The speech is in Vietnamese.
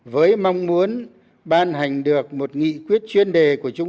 với mong muốn ban hành được một nghị quyết chuyên đề